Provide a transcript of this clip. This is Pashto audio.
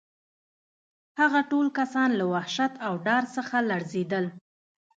هغه ټول کسان له وحشت او ډار څخه لړزېدل